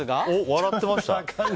笑ってました？